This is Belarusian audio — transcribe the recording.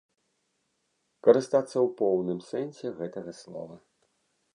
Карыстацца ў поўным сэнсе гэтага слова.